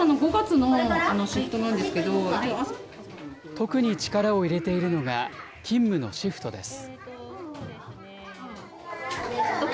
特に力を入れているのが、勤務のシフトです。